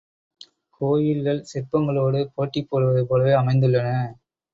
கோயில்கள், சிற்பங்களோடு போட்டி போடுவது போலவே அமைந்துள்ளன.